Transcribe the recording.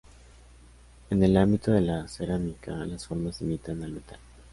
En el ámbito de la cerámica, las formas imitan al metal.